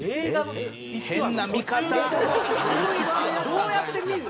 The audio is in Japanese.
どうやって見るの？